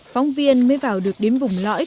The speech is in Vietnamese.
phóng viên mới vào được đến vùng lõi